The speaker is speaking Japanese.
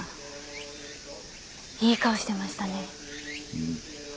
うん。